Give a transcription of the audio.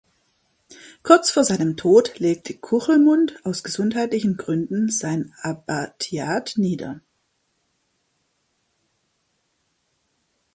Kurz vor seinem Tod legte Kuchlmund aus gesundheitlichen Gründen sein Abbatiat nieder.